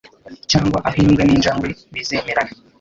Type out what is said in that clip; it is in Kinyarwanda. Cyangwa aho imbwa ninjangwe bizemerana